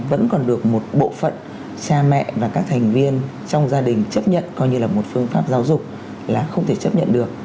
vẫn còn được một bộ phận cha mẹ và các thành viên trong gia đình chấp nhận coi như là một phương pháp giáo dục là không thể chấp nhận được